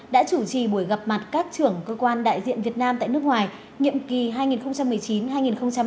đã chủ trì buổi gặp mặt các trưởng cơ quan đại diện việt nam tại nước ngoài nhiệm kỳ hai nghìn một mươi chín hai nghìn hai mươi